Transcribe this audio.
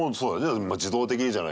自動的にじゃないけど。